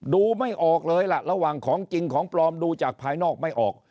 ดูไม่ออกเลยล่ะระหว่างของจริงของปลอมดูจากภายนอกไม่ออก